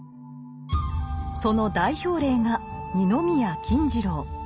その代表例が二宮金次郎。